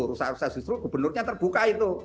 rusak rusak justru gubernurnya terbuka itu